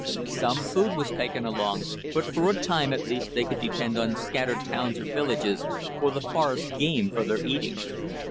Some food was taken along, but for a time, at least, they could depend on scattered towns or villages, or the forest game, for their eating.